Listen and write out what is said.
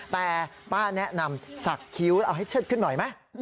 แต่ป้าแนะนำสักคิ้วแล้วเอาให้เชิดขึ้นหน่อยไหม